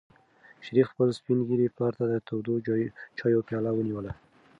شریف خپل سپین ږیري پلار ته د تودو چایو پیاله ونیوله.